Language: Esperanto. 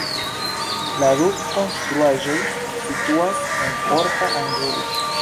La du konstruaĵoj situas en orta angulo.